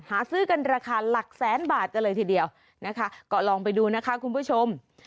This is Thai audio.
หาซื้อกันราคาหลักแสนบาทกันเลยทีเดียวนะคะก็ลองไปดูนะคะคุณผู้ชม